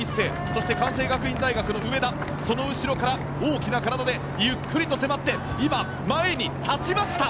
そして関西学院大学の上田その後ろから大きな体でゆっくりと迫って今、前に立ちました！